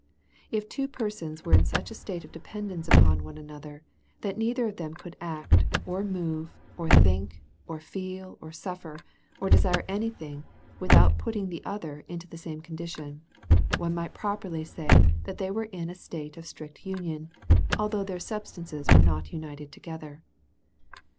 If two persons were jn such a state of dependence upon one another, that neither of them could act, or move, or think, or feek or sutfer, or desire any things, DEVOUT AND HOLY LIFE, 193 ^vitliout putting the other into the same condition^ one might properly say, that tliey were in a strict union, although their substances were not united together.